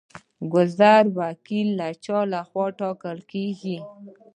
ګذر وکیل د چا لخوا ټاکل کیږي؟